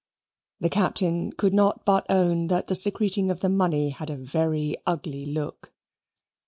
The Captain could not but own that the secreting of the money had a very ugly look.